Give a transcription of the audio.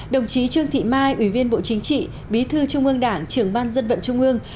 đồng chí trương thị mai ủy viên bộ chính trị bí thư trung ương đảng trưởng ban dân vận trung ương